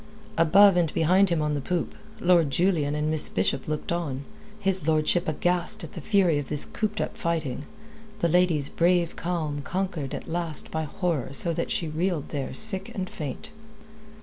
Above and behind him on the poop, Lord Julian and Miss Bishop looked on, his lordship aghast at the fury of this cooped up fighting, the lady's brave calm conquered at last by horror so that she reeled there sick and faint.